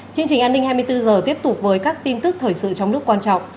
chương trình an ninh hai mươi bốn h tiếp tục với các tin tức thời sự trong nước quan trọng